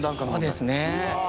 そうですねうわ